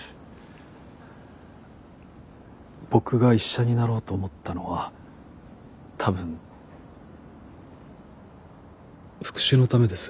僕が医者になろうと思ったのは多分復讐のためです。